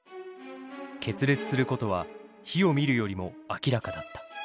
決裂することは火を見るよりも明らかだった。